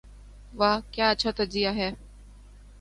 '' واہ کیا اچھا تجزیہ ہے۔